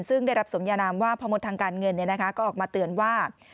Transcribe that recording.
ซึ่งได้รับสมญานามว่าพรหมดทางการเงินเนี่ยนะคะก็ออกมาเตือนว่า